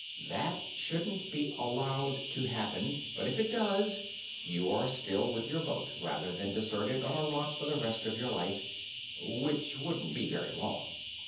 That shouldn't be allowed to happen, but, if it does, you are still with your boat, rather than deserted on a rock for the rest of your life which wouldn't be very long.